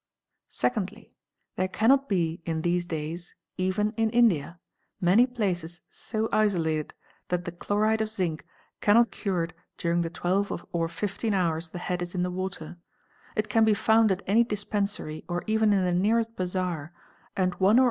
Secondly :—There cannot be in these days (even in India) many aces so isolated that the chloride of zinc cannot be procured during the e ve or fifteen hours the head is in the water; it can be found at any spensa y or even in the nearest bazaar and one or.